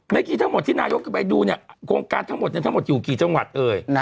เมื่อกี้ทั้งหมดที่นายกจะไปดูเนี่ยโครงการทั้งหมดทั้งหมดอยู่กี่จังหวัดเอ่ย